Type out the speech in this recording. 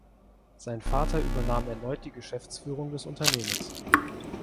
Sein Vater übernahm erneut die Geschäftsführung des Unternehmens.